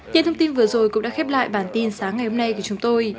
những thông tin vừa rồi cũng đã khép lại bản tin sáng ngày hôm nay của chúng tôi